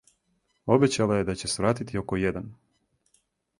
Обећала је да ће свратити око један.